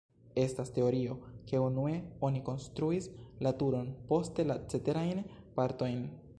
Estas teorio, ke unue oni konstruis la turon, poste la ceterajn partojn.